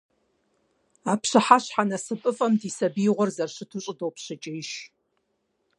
А пщыхьэщхьэ насыпыфӀэм ди сабиигъуэр зэрыщыту щӀыдопщыкӀыж.